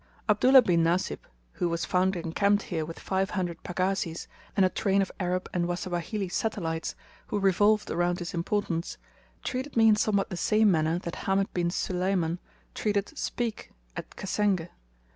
Abdullah bin Nasib, who was found encamped here with five hundred pagazis, and a train of Arab and Wasawahili satellites, who revolved around his importance, treated me in somewhat the same manner that Hamed bin Sulayman treated Speke at Kasenge.